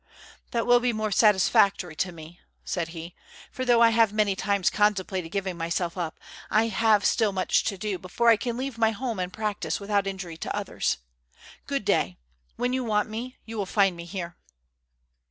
"That will be still more satisfactory to me," said he; "for though I have many times contemplated giving myself up, I have still much to do before I can leave my home and practice without injury to others. Good day; when you want me you will find me here."